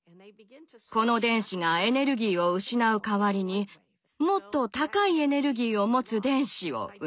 この電子がエネルギーを失う代わりにもっと高いエネルギーを持つ電子を生み出します。